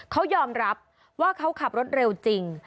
เขายอมรับว่าเขาขับรถเร็วจริง